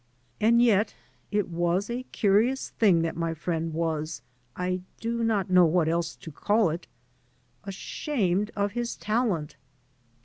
And yet it was a curious thing that my friend was — ^I do not know what else to call it — ashamed of his talent.